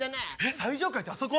最上階ってあそこ？